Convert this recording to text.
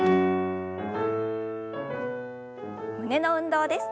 胸の運動です。